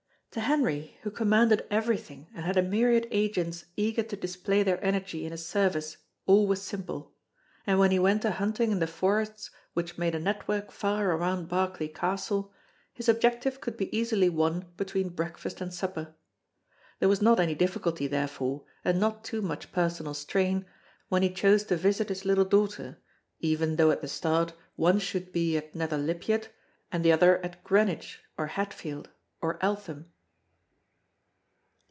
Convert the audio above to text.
To Henry, who commanded everything and had a myriad agents eager to display their energy in his service, all was simple; and when he went a hunting in the forests which made a network far around Berkeley Castle his objective could be easily won between breakfast and supper. There was not any difficulty therefore, and not too much personal strain, when he chose to visit his little daughter even though at the start one should be at Nether Lypiat and the other at Greenwich or Hatfield or Eltham.